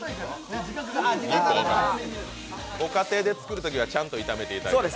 ご家庭で作るときは、ちゃんと炒めていただいて。